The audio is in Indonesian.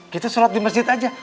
gitu salat di masjid aja